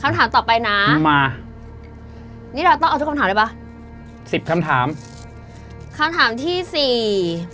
คำถามต่อไปนะมานี่เราต้องเอาทุกคำถามได้ป่ะสิบคำถามคำถามที่สี่